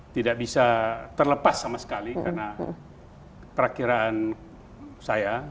tidak bisa terlepas sama sekali karena perakhiran saya